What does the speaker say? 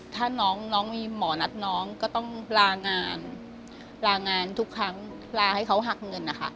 ถ้าน้องมีหมอนัดน้องก็ต้องลางานลางานทุกครั้งลาให้เขาหักเงินนะคะ